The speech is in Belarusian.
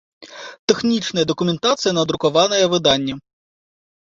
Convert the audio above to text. Тэхнiчная дакументацыя на друкаваныя выданнi